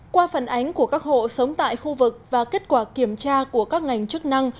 qua phần ánh của các hộ sống tại khu vực và kết quả kiểm tra của các ngành chức năng